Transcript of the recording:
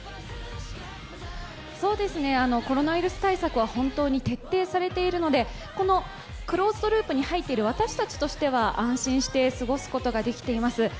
コロナウイルス対策は本当に徹底されているので、クローズドループに入っている私たちとしては安心して過ごすことができています。